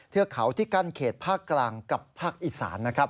เทือกเขาที่กั้นเขตภาคกลางกับภาคอีสานนะครับ